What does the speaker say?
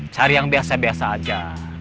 cari yang biasa biasa aja